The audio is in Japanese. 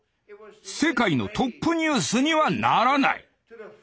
世界のトップニュースにはならない。